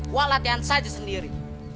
wah latihan saja sendiri